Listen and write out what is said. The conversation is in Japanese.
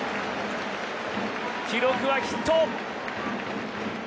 記録はヒット。